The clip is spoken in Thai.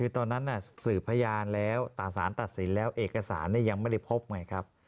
คือตอนนั้นสื่อพยานแล้วแต่สารตัดสินแล้วเอกสารยังไม่ได้พบไงครับ